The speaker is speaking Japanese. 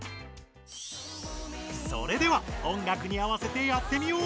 それでは音楽に合わせてやってみよう！